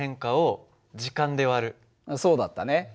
そうだったね。